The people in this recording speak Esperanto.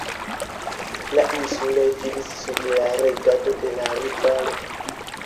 La insuloj finis sub la regado de la rivalo.